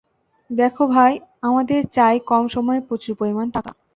দেখো ভাই, আমাদের চাই, কম সময়ে প্রচুর পরিমাণ টাকা।